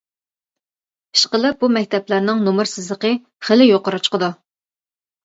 ئىشقىلىپ بۇ مەكتەپلەرنىڭ نومۇر سىزىقى خېلى يۇقىرى چىقىدۇ.